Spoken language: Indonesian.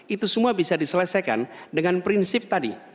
itu semua bisa diselesaikan dengan prinsip tadi